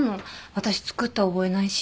私作った覚えないし。